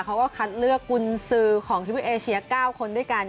เขาก็คัดเลือกกุญสือของทวิปเอเชีย๙คนด้วยกัน